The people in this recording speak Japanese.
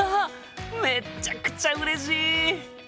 めっちゃくちゃうれしい！